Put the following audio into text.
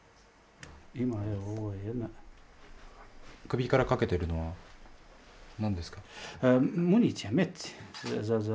首から掛けているのは何ですか？